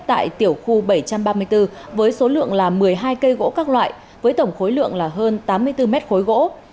tại tiểu khu bảy trăm ba mươi bốn với số lượng là một mươi hai cây gỗ các loại với tổng khối lượng là hơn tám mươi bốn mét khối gỗ